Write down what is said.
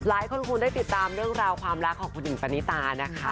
หลายคนคงได้ติดตามเรื่องราวความรักของคุณหญิงปณิตานะคะ